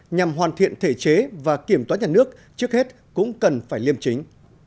nhằm hoàn thiện thể chế và kiểm toán nhà nước trước hết cũng cần phải liêm chính